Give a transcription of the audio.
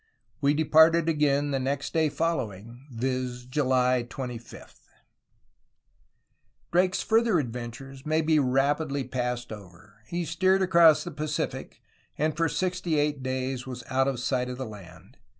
We departed againe the day next following, viz., July 25." 108 A HISTORY OF CALIFORNIA Drake^s further adventures may be rapidly passed over. He steered across the Pacific, and for sixty eight days was out of sight of land.